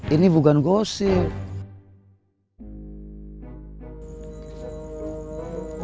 ini bukan gosip